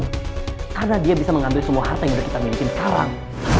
karena dia bisa mengambil semua harta yang kita miliki sekarang